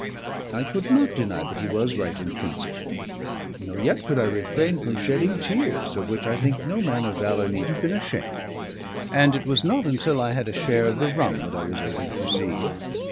I could not deny but he was right in principle; nor yet could I refrain from shedding tears, of which I think no man of valour need have been ashamed; and it was not until I had a share of the rum that I was able to proceed.